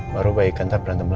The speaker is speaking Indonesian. baru baik kan nanti berantem lagi